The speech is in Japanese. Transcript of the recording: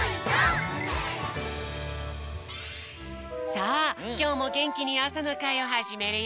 さあきょうもげんきにあさのかいをはじめるよ！